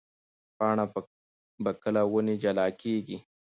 پاڼه به کله له ونې جلا کېږي؟